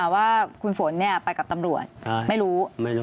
ว่าคุณฝนไปกับตำรวจไม่รู้